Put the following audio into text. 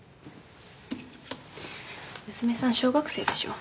娘さん小学生でしょ。